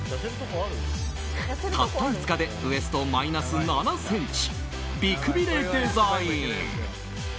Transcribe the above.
「たった５日でウエスト−７ｃｍ美くびれデザイン」。